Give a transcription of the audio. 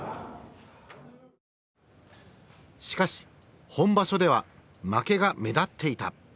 しかし本場所では負けが目立っていた。